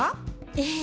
ええ。